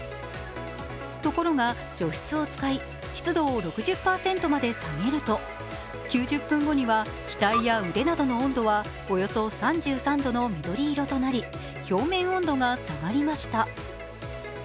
ところが除湿を使い湿度を６０％まで下げると９０分後には額や腕などの温度はおよそ３３度の緑色となり隣、表面温度が下がりました。